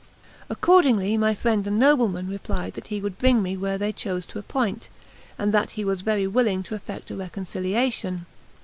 Accordingly my friend the nobleman replied that he would bring me where they chose to appoint, and that he was very willing to effect a reconciliation.